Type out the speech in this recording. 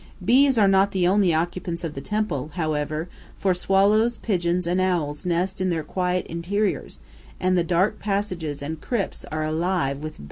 Bees are not the only occupants of the temple, however, for swallows, pigeons, and owls nest in their quiet interiors, and the dark passages and crypts are alive with bats.